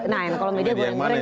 nah kalau media goreng